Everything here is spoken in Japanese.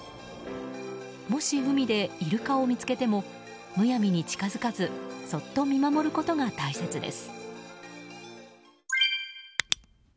もし海でイルカを見つけてもむやみに近づかずそっと見守ることが大切です。